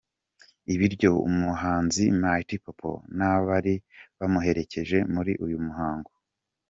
I buryo, umhanzi Mighty Popo n'abari bamuherekeje muri uyu muhango.